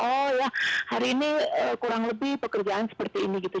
oh ya hari ini kurang lebih pekerjaan seperti ini gitu